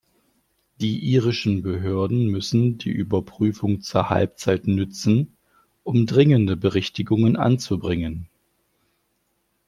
Die irischen Behörden müssen die Überprüfung zur Halbzeit nützen, um dringende Berichtigungen anzubringen.